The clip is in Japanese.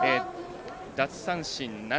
奪三振７。